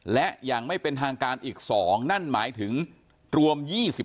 และอย่างไม่เป็นทางการอีก๒นั่นหมายถึงรวม๒๕